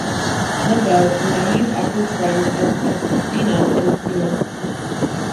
Lipo: A naive, awkward friend of Espinha and Fimose.